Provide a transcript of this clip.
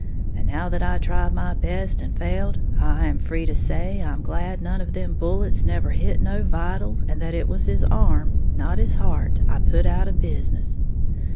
And now that I tried my best and failed, I am free to say I'm glad none of them bullets never hit no vital, and that it was his arm, not his heart, I put out of business.